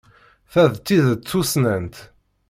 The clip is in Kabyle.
Ta d tidet tussnant.